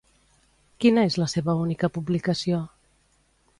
Quina és la seva única publicació?